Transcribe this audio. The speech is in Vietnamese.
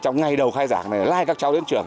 trong ngày đầu khai giảng này lai các cháu đến trường